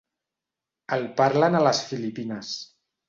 El parlen a les Filipines.